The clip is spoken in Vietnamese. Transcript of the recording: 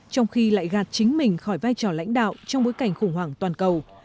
trong khi lại gạt chính mình khỏi vai trò lãnh đạo trong bối cảnh khủng hoảng toàn cầu